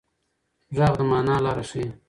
غږ د مانا لاره ښيي.